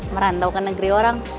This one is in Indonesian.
merantau ke negeri orang